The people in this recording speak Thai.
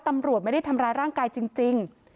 ตำรวจไม่ได้ทำร้ายร่างกายจริง